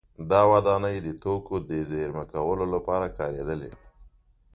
دا ودانۍ د توکو د زېرمه کولو لپاره کارېدلې